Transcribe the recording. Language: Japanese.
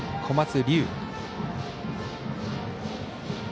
小松龍生。